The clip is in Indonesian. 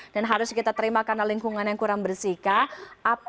dan harus kita terima karena lingkungan yang kurang bersih kak